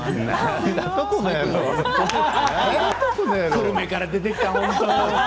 久留米から出てきたのに。